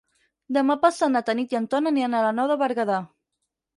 Demà passat na Tanit i en Ton aniran a la Nou de Berguedà.